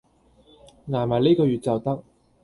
捱埋呢個月就得